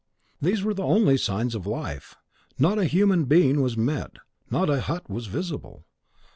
These were the only signs of life; not a human being was met, not a hut was visible.